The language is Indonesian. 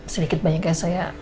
sedikit banyak kayak saya